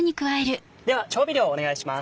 では調味料お願いします。